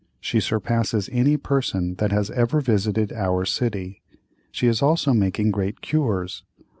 She surpasses any person that has ever visited our city. She is also making great cures.